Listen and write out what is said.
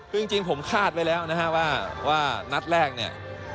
คือจริงผมคาดไว้แล้วนะฮะว่านัดแรกเนี่ย